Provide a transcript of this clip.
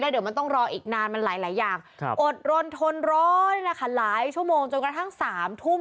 อดรนทนร้อนนะคะหลายชั่วโมงจนกระทั่งสามทุ่ม